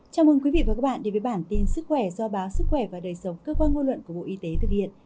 chào mừng quý vị và các bạn đến với bản tin sức khỏe do báo sức khỏe và đời sống cơ quan ngôn luận của bộ y tế thực hiện